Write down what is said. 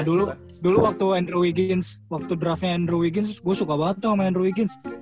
nah dulu waktu andrew wiggins waktu draftnya andrew wiggins gua suka banget dong sama andrew wiggins